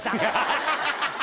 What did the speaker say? ハハハハ。